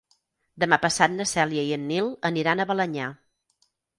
Demà passat na Cèlia i en Nil aniran a Balenyà.